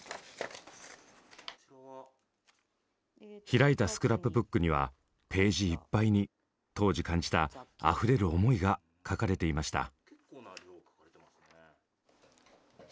開いたスクラップブックにはページいっぱいに当時感じたあふれる思いが書かれていました。